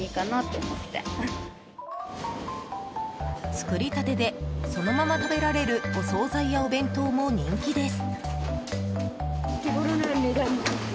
作りたてでそのまま食べられるお総菜やお弁当も人気です。